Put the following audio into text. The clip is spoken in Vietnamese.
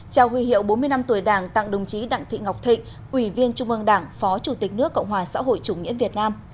trao huy hiệu bốn mươi năm tuổi đảng tặng đồng chí đặng thị ngọc thịnh ủy viên trung ương đảng phó chủ tịch nước cộng hòa xã hội chủ nghĩa việt nam